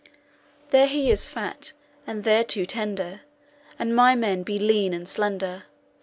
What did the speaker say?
There he is fat, and thereto tender, And my men be lean and slender.